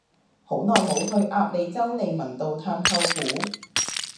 好耐無去鴨脷洲利民道探舅父